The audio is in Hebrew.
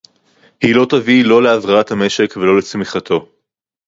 היא לא תביא לא להבראת המשק ולא לצמיחתו